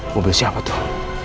mobil siapa tuh